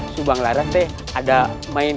subanglaras teh ada main